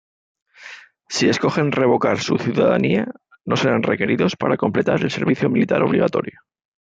Si escogen revocar su ciudadanía, no serán requeridos para completar el servicio militar obligatorio.